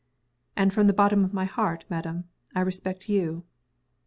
"And from the bottom of my heart, madam, I respect _you.